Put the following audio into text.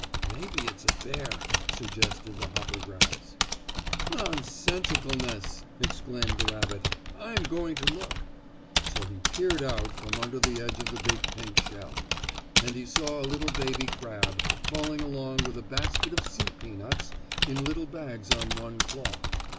"Maybe it's a bear," suggested the hoppergrass. "Nonsensicalness!" exclaimed the rabbit. "I'm going to look out." So he peered out from under the edge of the big pink shell, and he saw a little baby crab crawling along with a basket of seapeanuts in little bags on one claw.